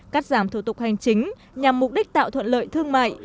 cắt giảm thủ tục hành chính nhằm mục đích tạo thuận lợi thương mại